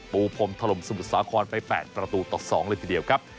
พรมถล่มสมุทรสาครไป๘ประตูต่อ๒เลยทีเดียวครับ